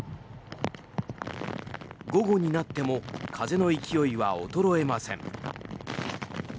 午後になっても風の勢いは衰えません。